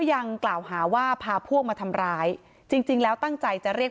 ยังกล่าวหาว่าพาพวกมาทำร้ายจริงจริงแล้วตั้งใจจะเรียก